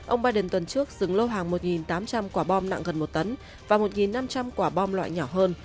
ông biden tuần trước dừng lô hàng một tám trăm linh quả bom nặng gần một tấn và một năm trăm linh quả bom loại nhỏ hơn